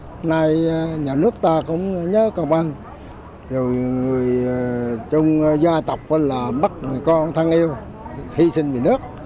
hôm nay nhà nước ta cũng nhớ cộng bằng rồi người trong gia tộc bắt người con thân yêu hy sinh vì nước